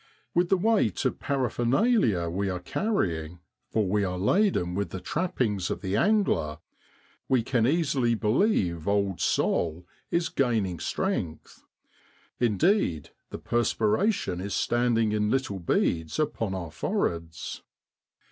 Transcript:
With the weight of parapher nalia we are carrying, for we are laden with the trappings of the angler, we can easily believe old Sol is gaining strength; indeed, the perspiration is standing in little beads upon our foreheads.